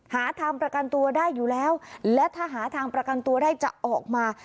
หาทางประกันตัวได้อยู่แล้วและถ้าหาทางประกันตัวได้จะออกมา